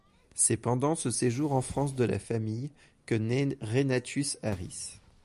C'est pendant ce séjour en France de la famille que naît Renatus Harris.